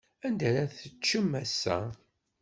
Anda ara teččem ass-a?